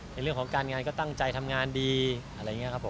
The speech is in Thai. ในเรื่องของการงานก็ตั้งใจทำงานดีอะไรอย่างนี้ครับผม